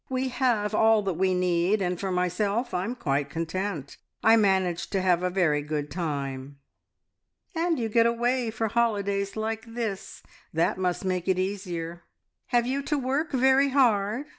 We have all that we need, and for myself I'm quite content. I manage to have a very good time." "And you get away for holidays like this. That must make it easier. Have you to work very hard?